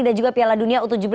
dan juga piala dunia u tujuh belas